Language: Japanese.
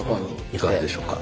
いかがでしょうか？